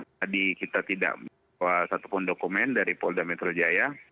tadi kita tidak membawa satupun dokumen dari polda metro jaya